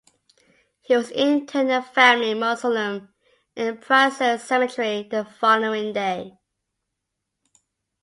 He was interred in the family mausoleum in Prazeres Cemetery the following day.